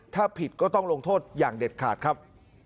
ถ้าผิดก็ต้องลงโทษอย่างเด็ดขาดครับ